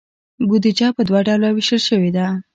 بودیجه په دوه ډوله ویشل شوې ده.